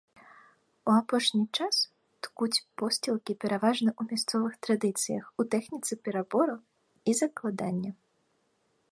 У апошні час ткуць посцілкі пераважна ў мясцовых традыцыях у тэхніцы перабору і закладання.